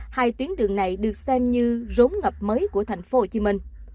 hai tuyến đường này được xem như rốn ngập mới của thành phố hồ chí minh